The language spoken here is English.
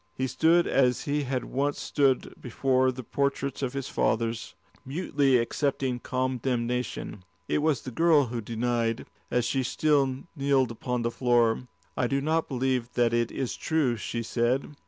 He stood as he had once stood before the portraits of his fathers, mutely accepting condemnation. It was the girl who denied, as she still kneeled upon the floor. "I do not believe that is true," she said.